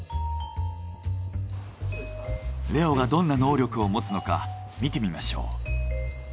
レオがどんな能力を持つのか見てみましょう。